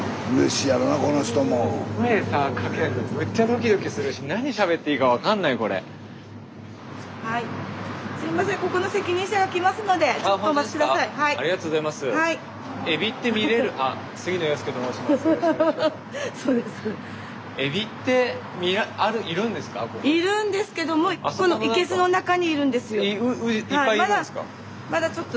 いっぱいいるんですか？